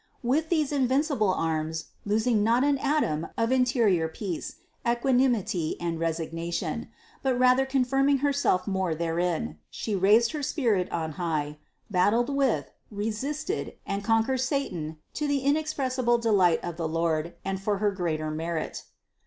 With these invincible arms, losing not an atom of interior peace, equanimity and resignation, but rather confirming Herself more therein, She raised her spirit on high, battled with, resisted, and conquered satan to the in expressible delight of the Lord and for her greater merit.